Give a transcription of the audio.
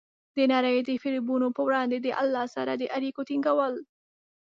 د نړۍ د فریبونو په وړاندې د الله سره د اړیکو ټینګول.